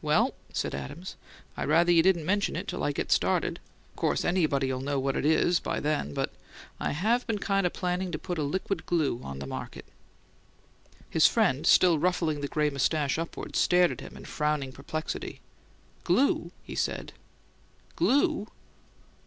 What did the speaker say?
"Well," said Adams, "I rather you didn't mention it till I get started of course anybody'll know what it is by then but I HAVE been kind of planning to put a liquid glue on the market." His friend, still ruffling the gray moustache upward, stared at him in frowning perplexity. "Glue?" he said. "GLUE!"